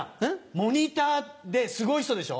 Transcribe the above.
モニターですごい人でしょ？